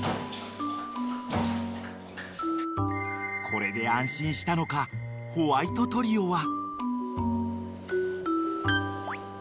［これで安心したのかホワイトトリオは］